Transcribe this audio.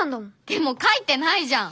でも書いてないじゃん！